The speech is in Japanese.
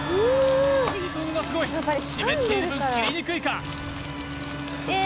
水分がすごい湿っている分切りにくいか？